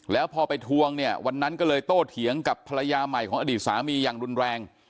แล้วพอไปทวงเนี่ยวันนั้นก็เลยโตเถียงกับภรรยาใหม่ของอดีตสามีอย่างรุนแรง